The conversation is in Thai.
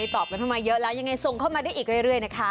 ตอบกันเข้ามาเยอะแล้วยังไงส่งเข้ามาได้อีกเรื่อยนะคะ